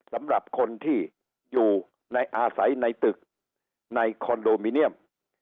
สำหรับคนที่อยู่ในอาศัยในตึกในคอนโดมิเนียม